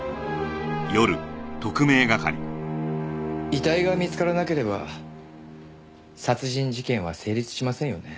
遺体が見つからなければ殺人事件は成立しませんよね。